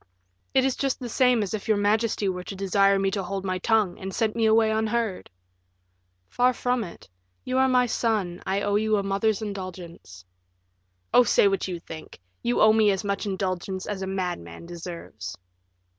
"It is just the same as if your majesty were to desire me to hold my tongue, and sent me away unheard." "Far from it; you are my son, I owe you a mother's indulgence." "Oh, say what you think; you owe me as much indulgence as a madman deserves."